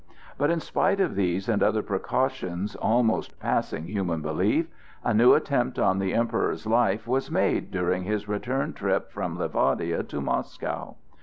But in spite of these and other precautions almost passing human belief, a new attempt on the Emperor's life was made during his return trip from Livadia to Moscow.